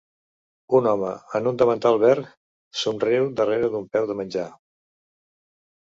Un home en un davantal verd somriu darrere d'un peu de menjar.